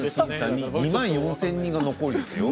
２万４０００人が残るんですよ。